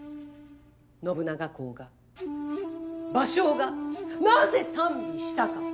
信長公が芭蕉がなぜ賛美したか。